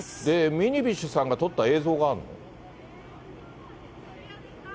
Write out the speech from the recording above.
ミニビッシュさんが撮った映像があるの？